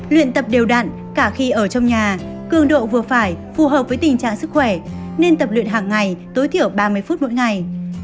luyện tập đều đạn cả khi ở trong nhà cương độ vừa phải phù hợp với tình trạng sức khỏe nên tập luyện hàng ngày tối thiểu ba mươi phút mỗi ngày